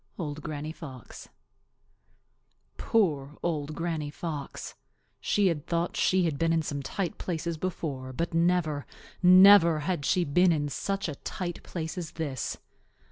—Old Granny Fox. Poor Old Granny Fox! She had thought that she had been in tight places before, but never, never had she been in such a tight place as this.